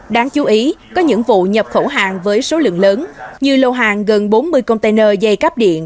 đáng chú ý có những vụ nhập khẩu hàng với số lượng lớn như lô hàng gần bốn mươi container dây cắp điện